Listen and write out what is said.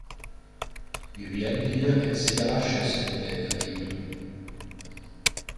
Wir werden hier ein sehr rasches Ende erleben.